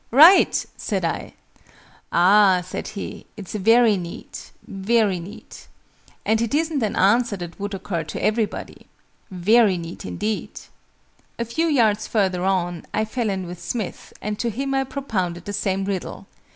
"Right!" said I. "Ah," said he, "it's very neat very neat. And it isn't an answer that would occur to everybody. Very neat indeed." A few yards further on, I fell in with Smith and to him I propounded the same riddle.